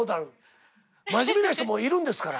「真面目な人もいるんですから！」